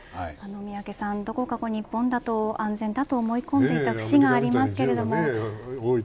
宮家さん、どこか日本だと安全だと思い込んでた節があると思います。